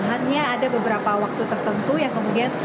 hanya ada beberapa waktu tertentu yang kemudian